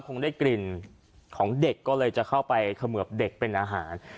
คงได้กลิ่นของเด็กก็เลยจะเข้าไปเขมือบเด็กเป็นอาหาร